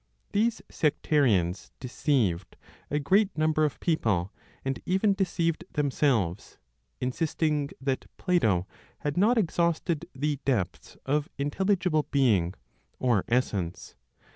These sectarians deceived a great number of people, and even deceived themselves, insisting that Plato had not exhausted the depths of intelligible "being," or essence.